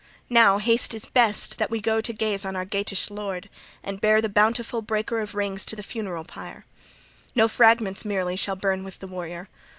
Now haste is best, that we go to gaze on our Geatish lord, and bear the bountiful breaker of rings to the funeral pyre. No fragments merely shall burn with the warrior.